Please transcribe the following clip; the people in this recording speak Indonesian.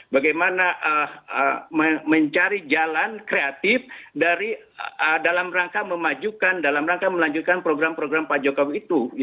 bagaimana mencari jalan kreatif dalam rangka memajukan dalam rangka melanjutkan program program pak jokowi itu